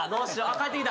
帰ってきた。